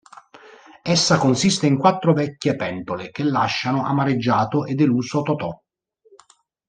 Essa consiste in quattro vecchie pentole, che lasciano amareggiato e deluso Totò.